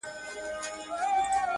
ستا د ټولو شرطونو سره سمه بدله سوې:،